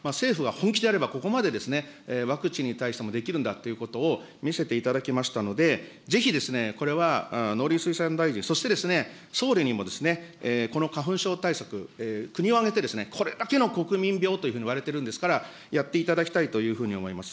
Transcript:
政府が本気であれば、ここまでワクチンに対してもできるんだということを見せていただきましたので、ぜひこれは農林水産大臣、そして総理にもこの花粉症対策、国を挙げて、これだけの国民病といわれているんですから、やっていただきたいというふうに思います。